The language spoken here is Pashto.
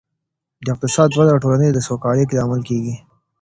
د اقتصاد وده د ټولني د سوکالۍ لامل کيږي.